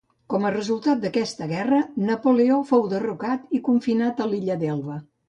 Com a resultat d'aquesta guerra Napoleó fou derrocat i confinat a l'illa d'Elba.